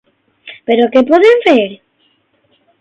Però què podem fer?